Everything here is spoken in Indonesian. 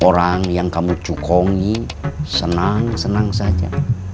orang yang kamu cukongi senang senang saja